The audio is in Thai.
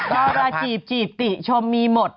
เท่าเวลาจีบจีบติชมมีหมด